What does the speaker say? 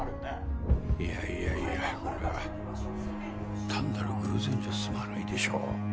いやいやいやこれは単なる偶然じゃ済まないでしょう。